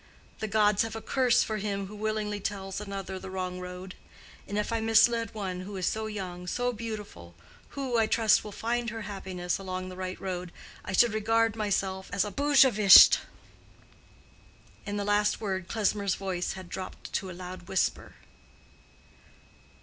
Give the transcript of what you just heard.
The gods have a curse for him who willingly tells another the wrong road. And if I misled one who is so young, so beautiful—who, I trust, will find her happiness along the right road, I should regard myself as a—Bösewicht." In the last word Klesmer's voice had dropped to a loud whisper.